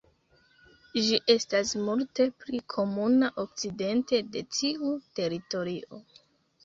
Ĝi estas multe pli komuna okcidente de tiu teritorio.